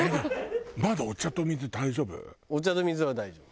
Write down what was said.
お茶と水は大丈夫。